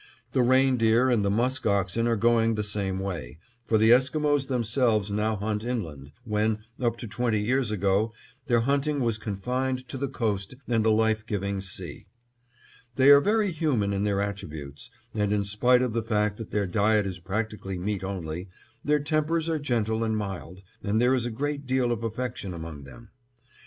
The reindeer and the musk oxen are going the same way, for the Esquimos themselves now hunt inland, when, up to twenty years ago, their hunting was confined to the coast and the life giving sea. They are very human in their attributes, and in spite of the fact that their diet is practically meat only, their tempers are gentle and mild, and there is a great deal of affection among them.